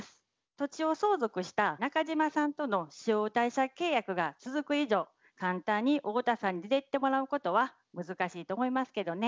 土地を相続した中島さんとの使用貸借契約が続く以上簡単に太田さんに出ていってもらうことは難しいと思いますけどね。